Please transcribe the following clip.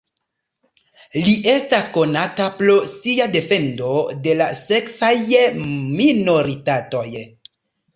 Li estas konata pro sia defendo de la seksaj minoritatoj.